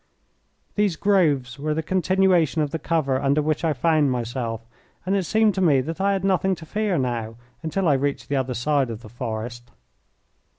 These groves were the continuation of the cover under which I found myself, and it seemed to me that I had nothing to fear now until I reached the other side of the forest.